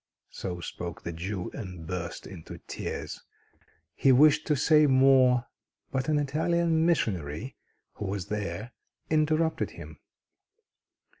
So spoke the Jew, and burst into tears. He wished to say more, but an Italian missionary who was there interrupted him.